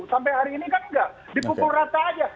sampai hari ini kan enggak dipukul rata aja